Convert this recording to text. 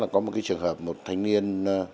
có một trường hợp một thanh niên